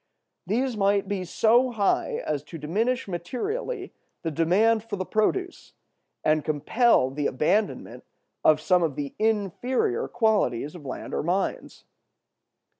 These might be so high as to diminish materially the demand for the produce, and compel the abandonment of some of the inferior qualities of land or mines.